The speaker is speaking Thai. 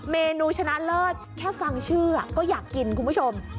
เมนูชนะเลิศแค่ฟังชื่อก็อยากกินคุณผู้ชม